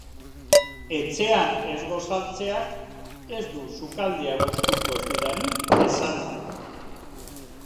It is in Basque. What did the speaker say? Etxean ez gosaltzeak ez du sukaldea gustuko ez dudanik esan nahi.